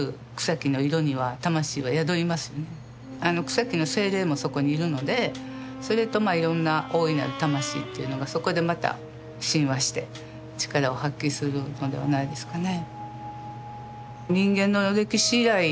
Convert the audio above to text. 草木の精霊もそこにいるのでそれといろんな大いなる魂というのがそこでまた親和して力を発揮するのではないですかね。